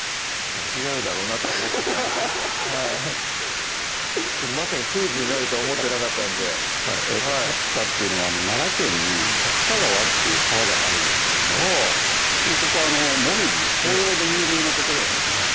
違うだろうなとは思ったんですけどまさかクイズになるとは思ってなかったんで竜田っていうのは奈良県に竜田川という川があるんですけどそこ紅葉で有名な所なんですね